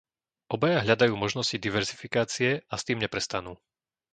Obaja hľadajú možnosti diverzifikácie a s tým neprestanú.